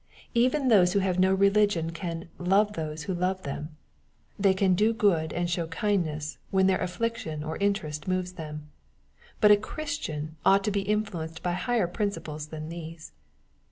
Even those who have no religion can " love those who love them." They can do good and show kindness. MATTHEW, OHAP. T. 49 * when their affection or interest moves them. But a Christian ought to be influenced by higher principles than these.